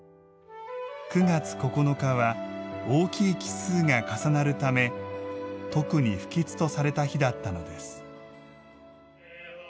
９月９日は、大きい奇数が重なるため特に不吉とされた日だったのです。